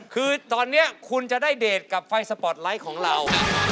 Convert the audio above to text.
คือตอนนี้คุณจะได้เดทกับไฟสปอร์ตไลท์ของเรา